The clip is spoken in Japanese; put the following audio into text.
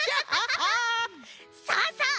さあさあ